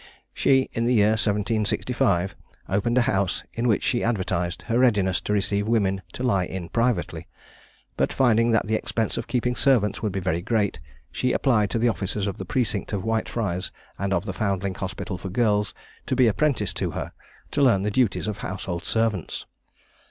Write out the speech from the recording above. She, in the year 1765, opened a house in which she advertised her readiness to receive women to lie in privately; but finding that the expense of keeping servants would be very great, she applied to the officers of the precinct of Whitefriars and of the Foundling Hospital for girls to be apprenticed to her, to learn the duties of household servants.